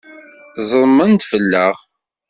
Ẓedmen-d fell-aɣ!